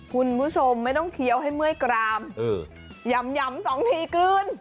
คุณผู้ชมไม่ต้องเคี้ยวให้เมื่อยกรามหย่ำสองทีกลืน